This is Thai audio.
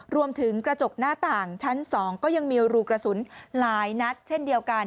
รวมถึงกระจกหน้าต่างชั้น๒ก็ยังมีรูกระสุนหลายนัดเช่นเดียวกัน